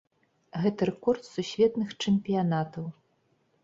Гэта рэкорд сусветных чэмпіянатаў.